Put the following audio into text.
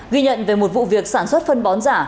ghi nhận về một vụ việc sản xuất phân bón giả